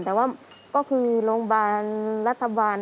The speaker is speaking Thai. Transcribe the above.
แต่ว่าก็คือโรงพยาบาลรัฐบาล